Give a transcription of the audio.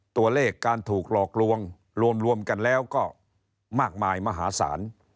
ตัวเลขการถูกหลอกลวงรวมกันแล้วก็มากมายมหาศาล